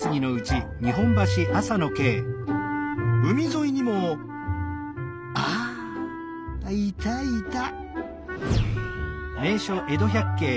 海沿いにもああいたいた。